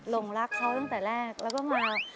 ลงรักเขาตั้งแต่แรกแล้วก็มา